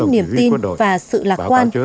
niềm tin và sự lạc quan